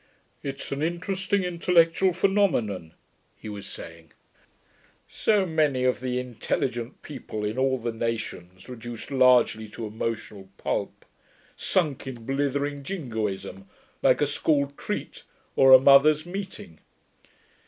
'It's an interesting intellectual phenomenon,' he was saying. 'So many of the intelligent people in all the nations reduced largely to emotional pulp sunk in blithering jingoism, like a school treat or a mothers' meeting.'